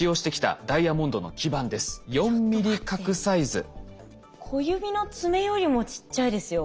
それが小指の爪よりもちっちゃいですよ。